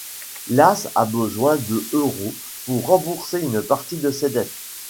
Lasse a besoin de euros pour rembourser une partie de ses dettes.